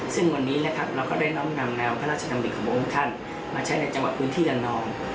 ซึ่งวันนี้เราก็ได้น้องนำแนวพระราชดำริยามาใช้ในจังหวัดคืนที่ดานอง